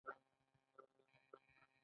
شخصي ګټې ولې باید شاته وي؟